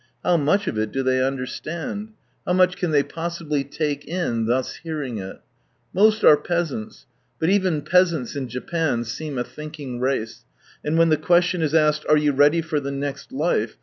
How much of it do they understand ? How much can they possibly Cake in thus hearing it ? Most are peasants, but even peasants in Japan seem a thinking race, and when the ques tion is asked, " Are you ready for the next life